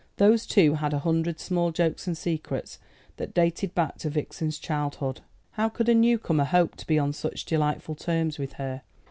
Those two had a hundred small jokes and secrets that dated back to Vixen's childhood. How could a new comer hope to be on such delightful terms with her?